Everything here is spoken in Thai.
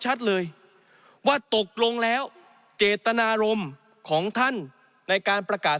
ชัดเลยว่าตกลงแล้วเจตนารมณ์ของท่านในการประกาศ